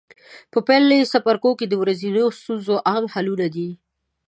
په پیل څپرکو کې د ورځنیو ستونزو عام حلونه دي.